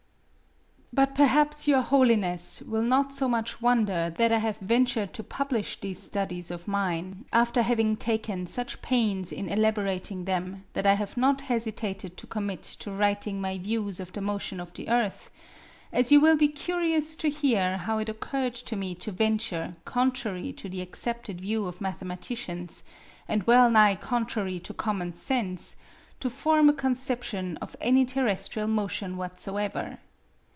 But perhaps Your Holiness will not so much wonder that I have ventured to publish these studies of mine, after having taken such pains in elaborating them that I have not hesitated to commit to writing my views of the motion of the Earth, as you will be curious to hear how it occurred to me to venture, contrary to the accepted view of mathematicians, and well nigh contrary to common sense, to form a conception of any terrestrial motion whatsoever.